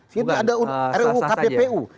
sini ada ruu kppu